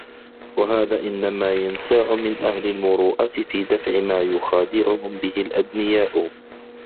وَهَذَا إنَّمَا يَنْسَاعُ مِنْ أَهْلِ الْمُرُوءَةِ فِي دَفْعِ مَا يُخَادِعُهُمْ بِهِ الْأَدْنِيَاءُ